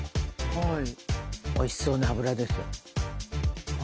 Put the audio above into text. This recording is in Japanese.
おいしそうなアブラですよ。